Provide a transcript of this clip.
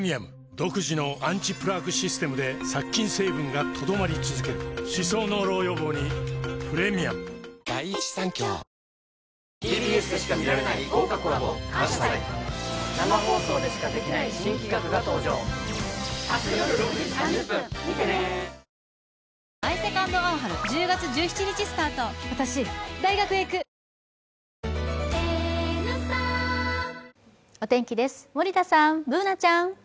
独自のアンチプラークシステムで殺菌成分が留まり続ける歯槽膿漏予防にプレミアムお天気です、森田さん、Ｂｏｏｎａちゃん。